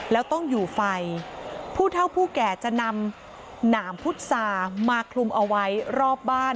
แล้วต้องอยู่ไฟผู้เท่าผู้แก่จะนำหนามพุษามาคลุมเอาไว้รอบบ้าน